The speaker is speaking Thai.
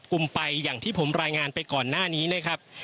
เดียวก่อนหน้านี้นะครับ